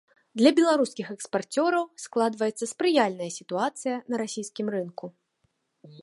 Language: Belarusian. Для беларускіх экспарцёраў складваецца спрыяльная сітуацыя на расійскім рынку.